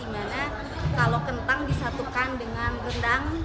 di mana kalau kentang disatukan dengan rendang